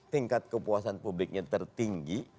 tingkat kepuasan publiknya tertinggi